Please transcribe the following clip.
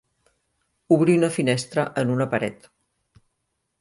Obrir una finestra en una paret.